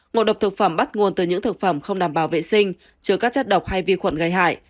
ngộ độc thực phẩm bắt nguồn từ những thực phẩm không đảm bảo vệ sinh chứa các chất độc hay vi khuẩn gây hại